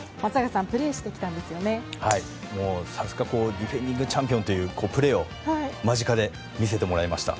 さすがディフェンディングチャンピオンというプレーを間近で見せてもらいました。